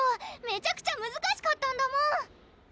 めちゃくちゃむずかしかったんだもん